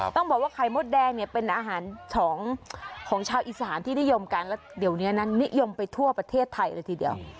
ต้องบอกว่าไข่มดแดงเนี่ยเป็นอาหารของชาวอีสานที่นิยมกันแล้วเดี๋ยวนี้นะนิยมไปทั่วประเทศไทยเลยทีเดียว